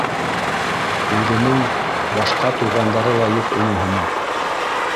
— Үҙенең башҡа туғандары ла юҡ ине һымаҡ